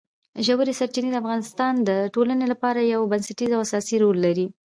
ژورې سرچینې د افغانستان د ټولنې لپاره یو بنسټیز او اساسي رول لري.